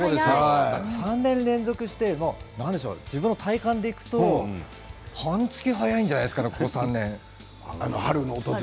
３年連続で自分の体感でいくと半月早いじゃないですかこの３年は。